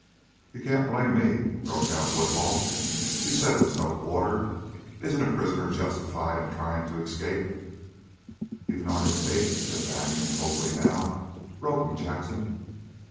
"You can't blame me!" broke out Woodhull. "You said it was no quarter! Isn't a prisoner justified in trying to escape?" "You've not escaped," said Banion, coldly now. "Rope him, Jackson."